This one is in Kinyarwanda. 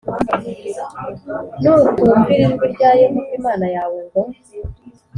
“Nutumvira ijwi rya Yehova Imana yawe ngo